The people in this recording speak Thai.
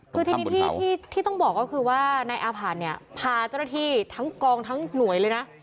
คือทีนี้ที่ต้องบอกก็คือว่านายอาภาษเนี่ยพาเจ้าหน้าที่ทั้งกองทั้งหน่วยเลยนะ